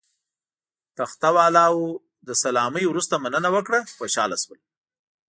تخته والاو له سلامۍ وروسته مننه وکړه، خوشاله شول.